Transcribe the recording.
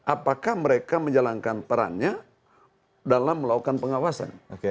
apakah mereka menjalankan perannya dalam melakukan pengawasan